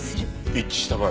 一致した場合は？